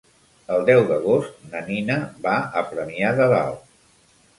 El deu d'agost na Nina va a Premià de Dalt.